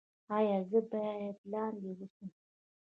ایا زه باید لاندې اوسم؟